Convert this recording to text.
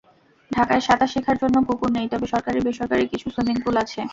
ঢাকায় সাঁতার শেখার জন্য পুকুর নেই, তবে সরকারি-বেসরকারি কিছু সুইমিং পুল আছে।